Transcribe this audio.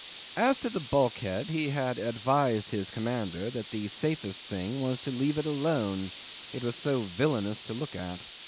As to the bulkhead, he had advised his commander that the safest thing was to leave it alone, it was so villainous to look at.